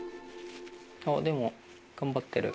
あっでも頑張ってる。